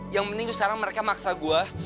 yang penting tuh sekarang mereka maksa gue